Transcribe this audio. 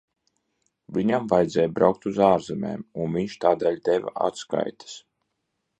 Viņam vajadzēja braukt uz ārzemēm, un viņš tādēļ deva atskaites.